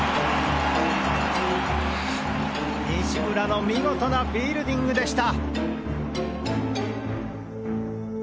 西村の見事なフィールディングでした！